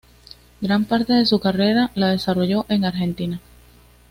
Gran parte de su carrera la desarrolló en Argentina.